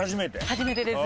初めてです。